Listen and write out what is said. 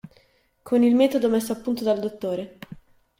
Con il metodo messo a punto dal dott.